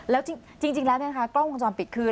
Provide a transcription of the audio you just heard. แล้วจริงแล้วเนี่ยนะคะกล้องวงจรปิดคือ